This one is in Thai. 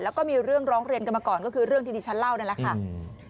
แล้วก็มีเรื่องร้องเรียนกันมาก่อนก็คือเรื่องที่ดิฉันเล่านั่นแหละค่ะ